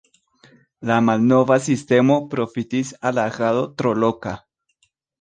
La malnova sistemo profitis al agado tro loka.